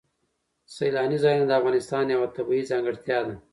سیلانی ځایونه د افغانستان یوه طبیعي ځانګړتیا ده.